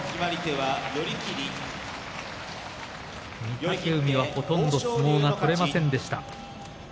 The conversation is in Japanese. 御嶽海は、ほとんど相撲が取れませんでした。